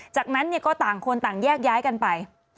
จากนั้นก็ต่างคนต่างแยกย้ายกันไป